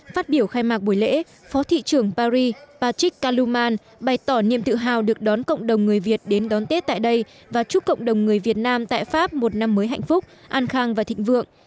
phát biểu khai mạc buổi lễ phó thị trưởng paris patrick kaluman bày tỏ niềm tự hào được đón cộng đồng người việt đến đón tết tại đây và chúc cộng đồng người việt nam tại pháp một năm mới hạnh phúc an khang và thịnh vượng